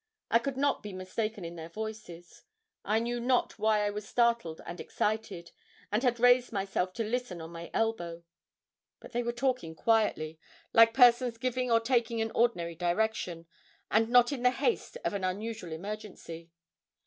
I could not be mistaken in their voices. I knew not why I was startled and excited, and had raised myself to listen on my elbow. But they were talking quietly, like persons giving or taking an ordinary direction, and not in the haste of an unusual emergency.